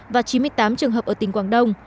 và chín mươi tám trường hợp ở tỉnh quảng đông